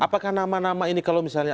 apakah nama nama ini kalau misalnya